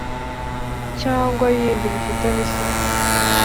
cyangwa y indi bifitanye isano